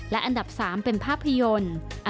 และอันดับ๓เป็นภาพยนตร์